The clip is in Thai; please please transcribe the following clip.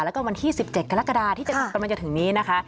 แล้วก็วันที่๑๗กรกฎาที่กำลังจะถึงนี้นะคะ